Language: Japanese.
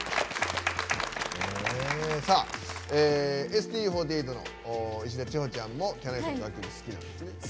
ＳＴＵ４８の石田千穂ちゃんもきゃないさんの楽曲が好きなんですね。